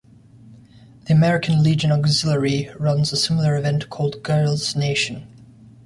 The American Legion Auxiliary runs a similar event called Girls Nation.